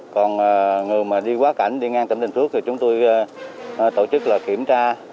còn người mà đi qua cảnh đi ngang tỉnh bình phước thì chúng tôi tổ chức là kiểm tra